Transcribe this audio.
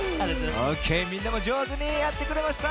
オッケーみんなもじょうずにやってくれました。